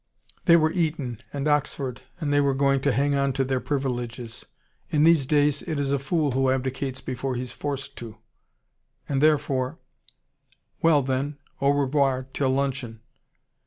They were Eton and Oxford. And they were going to hang on to their privileges. In these days, it is a fool who abdicates before he's forced to. And therefore: "Well, then au revoir till luncheon."